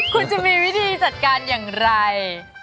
คุณจะมีวิธีจัดการอย่างไร